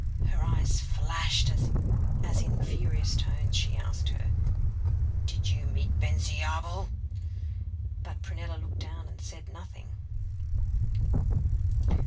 Her eyes flashed, as in furious tones she asked her, 'Did you meet Bensiabel?' But Prunella looked down, and said nothing.